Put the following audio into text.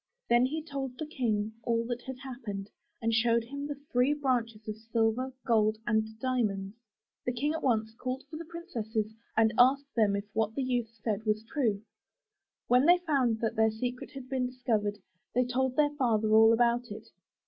'' Then he told the King all that had happened, and showed him the three branches of silver, gold and diamonds. The King at once called for the princesses and asked them if what the youth said was true. When they found that their secret had been discovered, they told their father all about it.